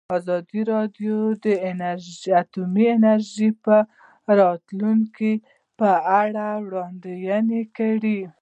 ازادي راډیو د اټومي انرژي د راتلونکې په اړه وړاندوینې کړې.